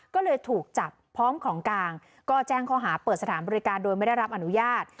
ก็เลยถูกจับพร้อมของกลางก็แจ้งข้อหาเปิดสถานบริการโดยไม่ได้รับอนุญาต